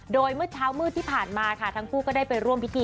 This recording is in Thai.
โดยเมื่อเช้ามืดที่ผ่านมาค่ะทั้งคู่ก็ได้ไปร่วมพิธี